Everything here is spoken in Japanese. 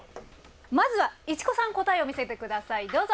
まずは市古さん答えを見せてくださいどうぞ。